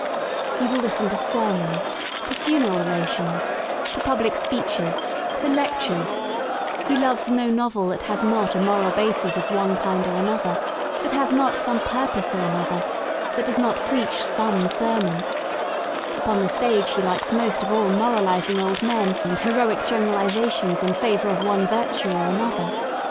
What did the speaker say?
He will listen to sermons, to funeral orations, to public speeches, to lectures; he loves no novel that has not a moral basis of one kind or an other, that has not some purpose or other, that does ■ not preach some sermon ; upon the stage he likes most of all moralising old men and heroic generalisations in favour of one virtue or another.